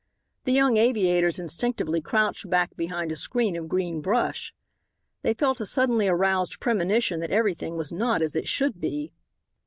The young aviators instinctively crouched back behind a screen of green brush. They felt a suddenly aroused premonition that everything was not as it should be.